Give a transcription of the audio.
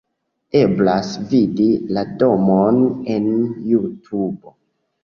Eblas vidi la domon en Jutubo.